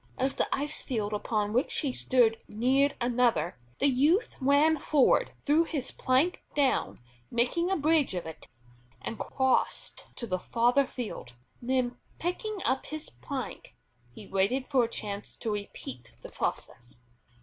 As the ice field upon which he stood neared another, the youth ran forward, threw his plank down, making a bridge of it, and crossed to the farther field. Then picking up his plank, he waited for a chance to repeat the process.